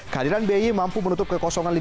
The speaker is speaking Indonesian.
kehadiran beye mampu menutup kekosongan lidi